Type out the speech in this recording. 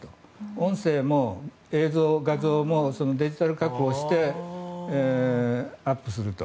音声も映像、画像もデジタル加工してアップすると。